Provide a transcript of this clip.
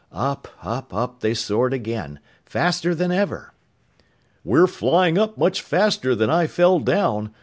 Up, up, up they soared again, faster than ever! "We're flying up much faster than I fell down.